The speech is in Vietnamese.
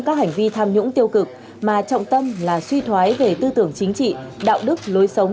các hành vi tham nhũng tiêu cực mà trọng tâm là suy thoái về tư tưởng chính trị đạo đức lối sống